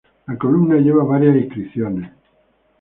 La columna lleva varias inscripciones.